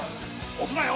押すなよ！